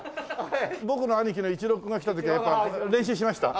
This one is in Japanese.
僕の兄貴のイチロー君が来た時はやっぱ練習しました？